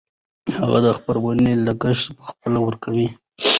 هغې د خپرونې لګښت پخپله ورکړ.